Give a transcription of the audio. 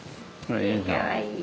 かわいい。